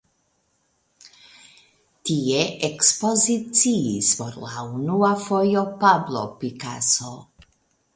Tie ekspoziciis por la unua fojo Pablo Picasso.